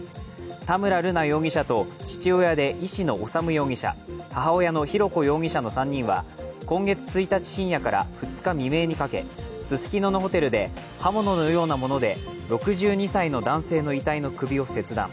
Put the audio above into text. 田村瑠奈容疑者と父親で医師の修容疑者、母親の浩子容疑者の３人は今月１日深夜から２日未明にかけススキノのホテルで刃物のようなもので６２歳の男性の遺体の首を切断。